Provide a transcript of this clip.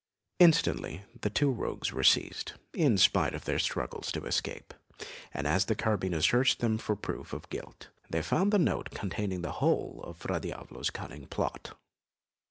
Instantly the two rogues were seized, in spite of their struggles to escape, and as the carbineers searched them for proof of their guilt, they found the note containing the whole of Fra Diavolo's cunning plot.